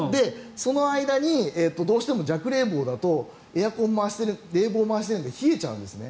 その間にどうしても弱冷房だと冷房を回してるので冷えちゃうんですね。